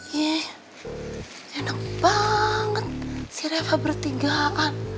yeay enak banget si reva bertinggalkan